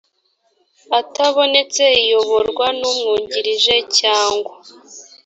atabonetse iyoborwa n umwungirije cyangwa